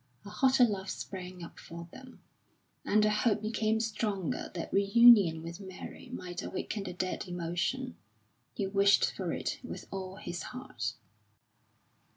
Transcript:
A hotter love sprang up for them; and the hope became stronger that reunion with Mary might awaken the dead emotion. He wished for it with all his heart.